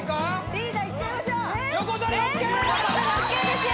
リーダーいっちゃいましょう横取りＯＫ横取りＯＫですよ